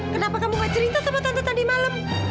kenapa kamu gak cerita sama tante tadi malam